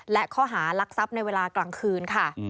และข้อหารักทรัพย์ในเวลากลางคืนค่ะ